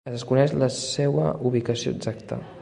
Es desconeix la seua ubicació exacta.